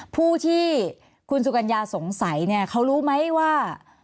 ภูที่คุณสุกัญญาสงสัยเขารู้ไหมว่า